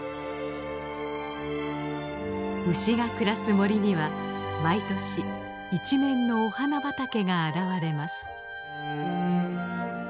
牛が暮らす森には毎年一面のお花畑が現れます。